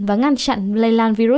và ngăn chặn lây lan virus